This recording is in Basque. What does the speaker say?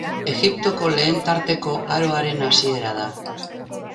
Egiptoko lehen tarteko aroaren hasiera da.